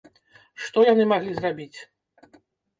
Што яны маглі зрабіць?